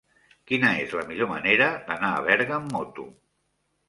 Quina és la millor manera d'anar a Berga amb moto?